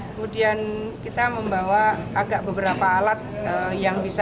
kemudian kita membawa agak beberapa alat yang bisa